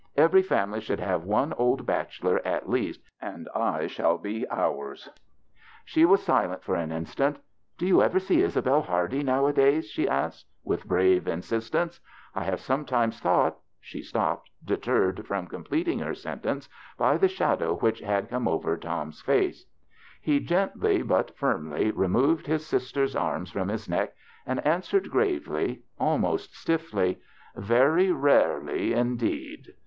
Every family should have one old bachelor, at least, and I shall be ours." She was silent for an instant. " Do you ever see Isabelle Hardy, nowadays ?" she asked, with brave insistence. " I have some times thought "—she stopped, deterred from completing her sentence by the shadow which had come over Tom's face. THE BACHELORS CHRISTMAS 15 He gently, but firmly, removed his sister's arms from his neck, and answered gravely, almost stiffly, '' Very rarely indeed."